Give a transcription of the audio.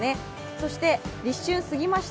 そして立春過ぎました。